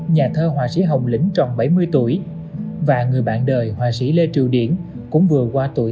nhà thơ họa sĩ hồng lĩnh tròn bảy mươi tuổi và người bạn đời họa sĩ lê triều điển cũng vừa qua tuổi